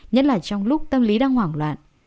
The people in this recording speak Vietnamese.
nhất là trong lúc tâm lý đang hoảng loạn